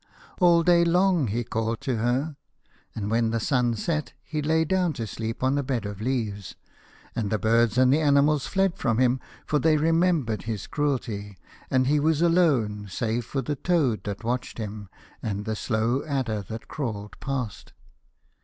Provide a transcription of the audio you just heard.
All day long he called to her, and when the sun set he lay down to sleep on a bed of leaves, and the birds and the animals fled from him, for they remembered his cruelty, and he was alone save for the toad that watched him, and the slow adder that crawled past.